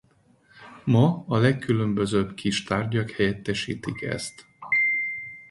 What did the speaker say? Ma a legkülönbözőbb kis tárgyak helyettesítik ezt.